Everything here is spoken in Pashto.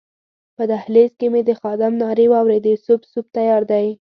په دهلېز کې مې د خادم نارې واورېدې سوپ، سوپ تیار دی.